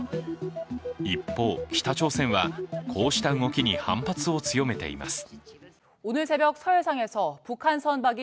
一方、北朝鮮はこうした動きに反発を強めています。